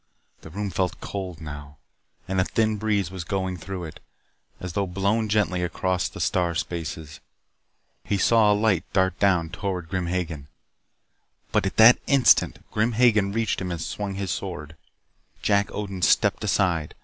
The room felt cold now, and a thin breeze was going through it, as though blown gently across the star spaces. He saw a light dart down toward Grim Hagen. But at that instant Grim Hagen reached him and swung his sword. Jack Odin stepped aside.